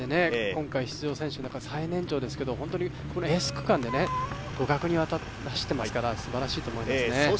３８歳で今回出場選手の中で最年長ですけどエース区間で互角に走っていますからすばらしいと思います。